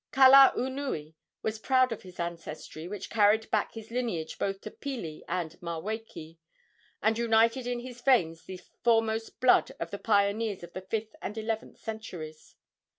Kalaunui was proud of his ancestry, which carried back his lineage both to Pili and Maweke, and united in his veins the foremost blood of the pioneers of the fifth and eleventh centuries.